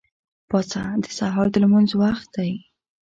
پاڅه! د سهار د لمونځ وخت دی.